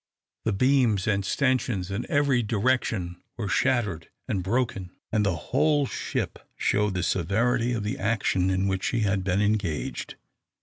The beams and stanchions in every direction were shattered and broken, and the whole ship showed the severity of the action in which she had been engaged.